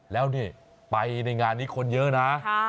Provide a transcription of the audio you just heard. แล้วนี่ไปในงานนี้คนเยอะนะ